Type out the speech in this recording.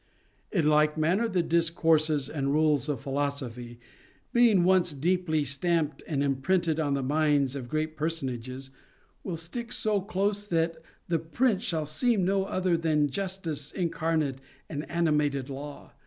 In like manner the discourses and rules of philosophy, being once deeply stamped and imprinted on the minds of great WITH GREAT MEN. 377 personages, will stick so close, that the prince shall seem no other than justice incarnate and animated law.